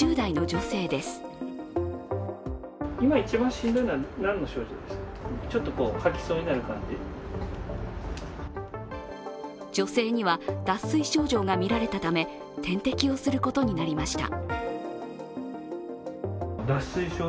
女性には脱水症状が見られたため、点滴をすることになりました。